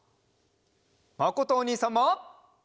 まことおにいさんも！